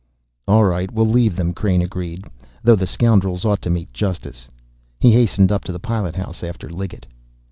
"All right, we'll leave them," Crain agreed, "though the scoundrels ought to meet justice." He hastened up to the pilot house after Liggett.